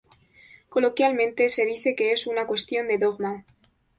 Coloquialmente, se dice que es una cuestión de dogma.